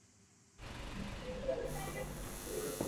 本表尚不包括旧税关。